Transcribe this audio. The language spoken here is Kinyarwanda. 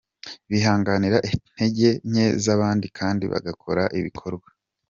Bihanganira intege nke z’abandi kandi bagakora ibikorwa